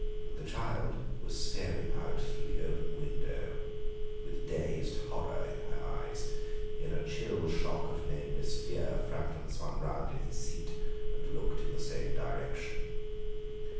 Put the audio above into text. The child was staring out through the open window with dazed horror in her eyes. In a chill shock of nameless fear Framton swung round in his seat and looked in the same direction.